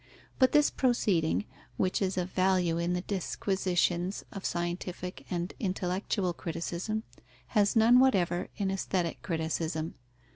But this proceeding, which is of value in the disquisitions of scientific and intellectual criticism, has none whatever in aesthetic criticism.